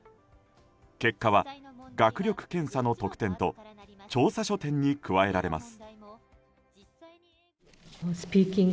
結果は学力検査の得点と調査書点に加えられます。